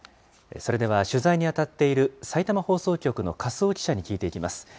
それでは、取材に当たっているさいたま放送局の粕尾記者に聞いていきます。